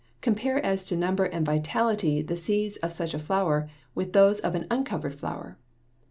Compare as to number and vitality the seeds of such a flower with those of an uncovered flower.